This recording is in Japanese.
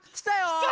きた！